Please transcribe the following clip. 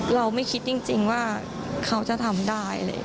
เราไม่คิดจริงว่าเขาจะทำได้